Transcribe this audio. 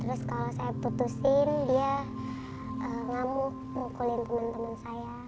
dia ngamuk ngukulin teman teman saya di kelas